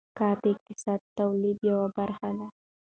کار د اقتصادي تولید یوه برخه ده.